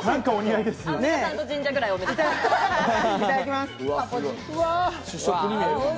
いただきます。